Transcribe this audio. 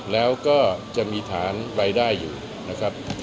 แล้วก็จะมีฐานรายได้อยู่นะครับ